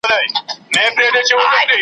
هره تېږه من نه ده .